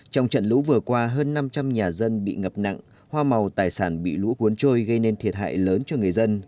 trong trận lũ vừa qua hơn năm trăm linh nhà dân bị ngập nặng hoa màu tài sản bị lũ cuốn trôi gây nên thiệt hại lớn cho người dân